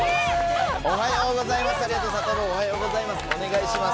ズムサタおはようございます。